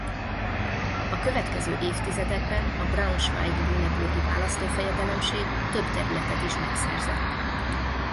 A következő évtizedekben a Braunschweig-Lüneburgi Választófejedelemség több területet is megszerzett.